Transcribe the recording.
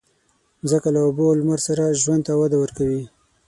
مځکه له اوبو او لمر سره ژوند ته وده ورکوي.